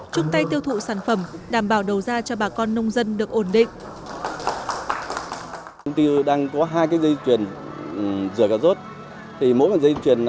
chung tay tiêu thụ sản phẩm đảm bảo đầu ra cho bà con nông dân được ổn định